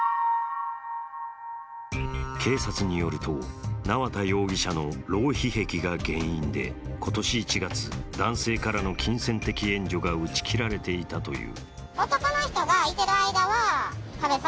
警察によると、縄田容疑者の浪費癖が原因で今年１月、男性からの金銭的援助が打ち切られていたという。